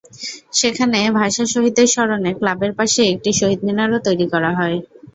সেখানে ভাষাশহীদদের স্মরণে ক্লাবের পাশেই একটি শহীদ মিনারও তৈরি করা হয়।